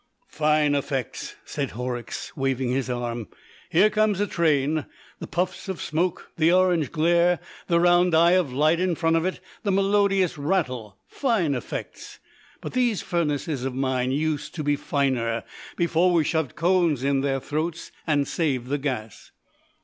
"Fine effects," said Horrocks, waving his arm. "Here comes a train. The puffs of smoke, the orange glare, the round eye of light in front of it, the melodious rattle. Fine effects! But these furnaces of mine used to be finer, before we shoved cones in their throats, and saved the gas."